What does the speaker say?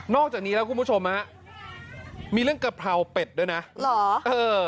อกจากนี้แล้วคุณผู้ชมฮะมีเรื่องกะเพราเป็ดด้วยนะเหรอเออ